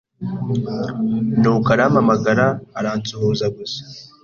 nuko arampamagara aransuhuza gusa